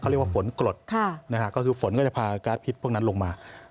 เรียกว่าฝนกรดก็คือฝนก็จะพาการ์ดพิษพวกนั้นลงมา